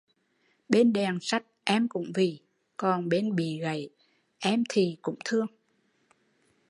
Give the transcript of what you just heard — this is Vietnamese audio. Bên đèn sách em cũng vì, còn bên bị gậy em thì cũng thương